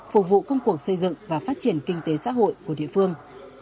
phục vụ công cuộc xây dựng và phát triển kinh tế xã hội của địa phương